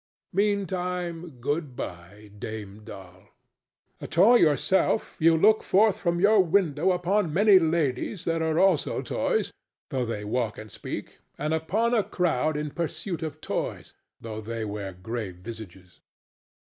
—Meantime, good bye, Dame Doll! A toy yourself, you look forth from your window upon many ladies that are also toys, though they walk and speak, and upon a crowd in pursuit of toys, though they wear grave visages.